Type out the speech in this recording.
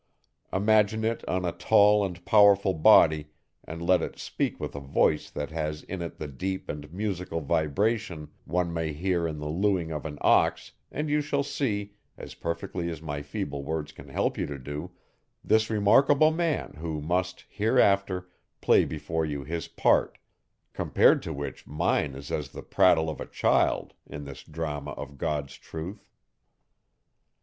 Imagine it on a tall, and powerful body and let it speak with a voice that has in it the deep and musical vibration one may hear in the looing of an ox and you shall see, as perfectly as my feeble words can help you to do, this remarkable man who, must, hereafter, play before you his part compared to which mine is as the prattle of a child in this drama of God's truth.